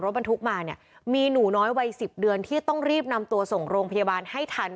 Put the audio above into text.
บรรทุกมาเนี่ยมีหนูน้อยวัย๑๐เดือนที่ต้องรีบนำตัวส่งโรงพยาบาลให้ทัน